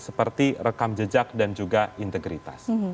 seperti rekam jejak dan juga integritas